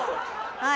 はい。